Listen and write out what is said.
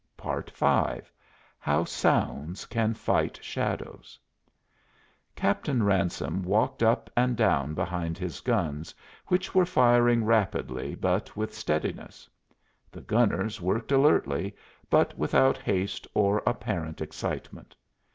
V HOW SOUNDS CAN FIGHT SHADOWS Captain Ransome walked up and down behind his guns, which were firing rapidly but with steadiness. The gunners worked alertly, but without haste or apparent excitement.